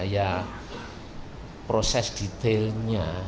ya proses detailnya